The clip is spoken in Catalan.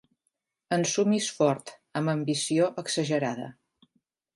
Ensumis fort, amb ambició exagerada.